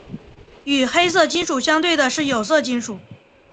与黑色金属相对的是有色金属。